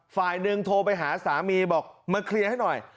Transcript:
ฝ่ายหนึ่งโทรไปหาสามีบอกมาเคลียร์ให้หน่อย